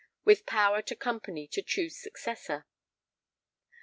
[with power to company to choose successor].